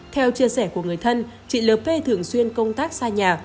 theo chia sẻ của người thân chị lê thường xuyên công tác xa nhà